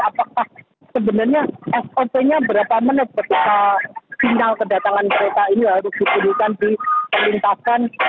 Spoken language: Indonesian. apakah sebenarnya sop nya berapa menit ketika sinyal kedatangan kereta ini harus diperlukan di pelintasan